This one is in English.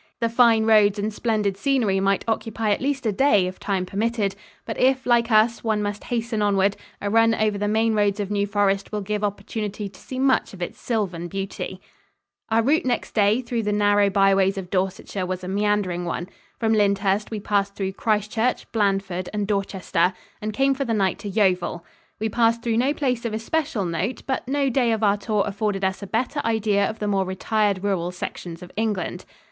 The fine roads and splendid scenery might occupy at least a day if time permitted; but if, like us, one must hasten onward, a run over the main roads of New Forest will give opportunity to see much of its sylvan beauty. [Illustration: A GLADE IN NEW FOREST.] Our route next day through the narrow byways of Dorsetshire was a meandering one. From Lyndhurst we passed through Christchurch, Blandford and Dorchester and came for the night to Yeovil. We passed through no place of especial note, but no day of our tour afforded us a better idea of the more retired rural sections of England.